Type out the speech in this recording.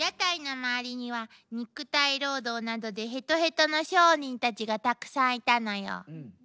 肉体労働などでヘトヘトの商人たちがたくさんいたのよ。